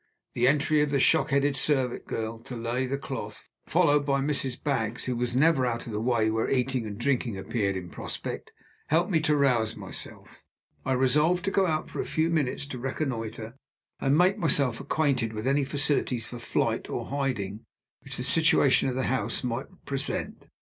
The entry of the shock headed servant girl to lay the cloth, followed by Mrs. Baggs, who was never out of the way where eating and drinking appeared in prospect, helped me to rouse myself. I resolved to go out for a few minutes to reconnoiter, and make myself acquainted with any facilities for flight or hiding which the situation of the house might present.